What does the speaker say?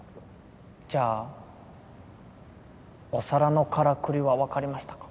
じゃあお皿のからくりはわかりましたか？